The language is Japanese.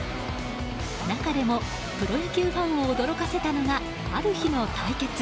中でもプロ野球ファンを驚かせたのがある日の対決。